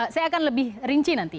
saya akan lebih rinci nanti